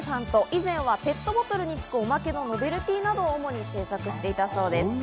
以前はペットボトルに付く、おまけのノベルティーを主に制作していたそうです。